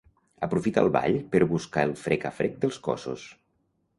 Aprofita el ball per buscar el frec a frec dels cossos.